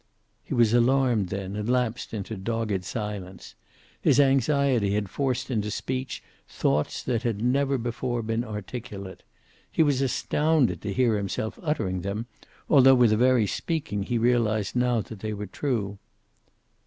He was alarmed then, and lapsed into dogged silence. His anxiety had forced into speech thoughts that had never before been articulate. He was astounded to hear himself uttering them, although with the very speaking he realized now that they were true.